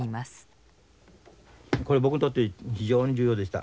これは僕にとって非常に重要でした。